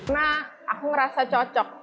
nah aku ngerasa cocok